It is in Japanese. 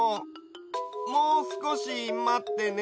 もうすこしまってね。